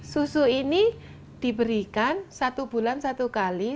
susu ini diberikan satu bulan satu kali